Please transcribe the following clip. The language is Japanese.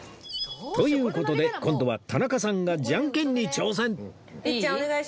という事で今度は田中さんがじゃんけんに挑戦いい？いい？